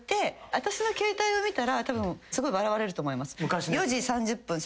私の携帯を見たらたぶんすごい笑われると思います。